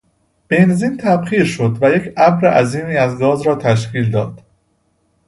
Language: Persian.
بنزین تبخیر شد و یک ابر عظیمی از گاز را تشکیل داد.